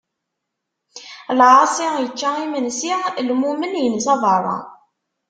Lɛaṣi ičča imensi, lmumen insa beṛṛa.